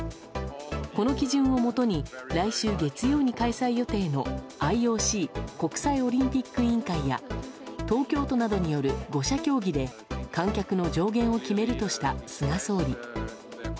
この基準をもとに来週月曜に開催予定のＩＯＣ・国際オリンピック委員会や東京都などによる５者協議で観客の上限を決めるとした菅総理。